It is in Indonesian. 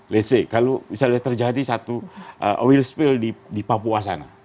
let's say kalau misalnya terjadi satu oil spill di papua